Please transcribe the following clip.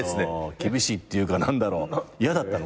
厳しいっていうか何だろう嫌だったのかな。